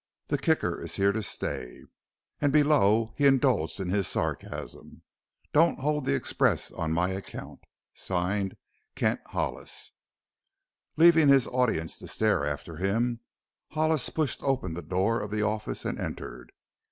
The Kicker is Here to Stay!"_ And below he indulged in this sarcasm: "Don't hold the express on my account!" Signed "KENT HOLLIS" Leaving his audience to stare after him Hollis pushed open the door of the office and entered.